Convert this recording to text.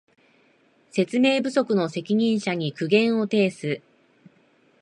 説明不足の責任者に苦言を呈す